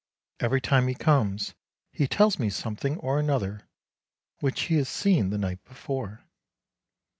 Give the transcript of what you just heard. Every time he comes he tells me something or another which he has seen the night before.